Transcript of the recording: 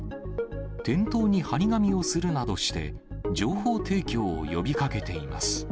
店頭に貼り紙をするなどして、情報提供を呼びかけています。